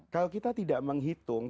kalau kita tidak menghitung